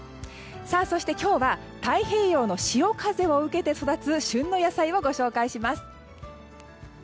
そして、今日は太平洋の潮風を受けて育つ旬の野菜をご紹介します。